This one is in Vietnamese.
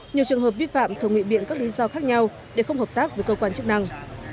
nhiều trường hợp vi phạm thường nguyện biện các lý do khác nhau để không hợp tác với cơ quan chức năng